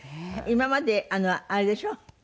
今まであれでしょ？